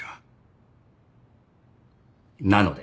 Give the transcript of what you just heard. なので。